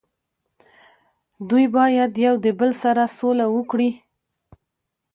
دوي باید یو د بل سره سوله وکړي